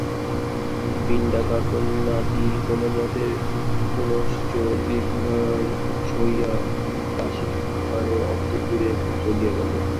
পিণ্ডাকার কন্যাটি কোনোমতে পুনশ্চ দীর্ঘাকার হইয়া দাসী সহকারে অন্তঃপুরে চলিয়া গেল।